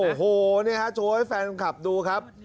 โอ้โหนี่ฮะโชว์ให้แฟนคลับดูครับ